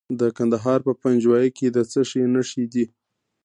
د کندهار په پنجوايي کې د څه شي نښې دي؟